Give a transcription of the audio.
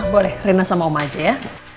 boleh reina sama oma aja ya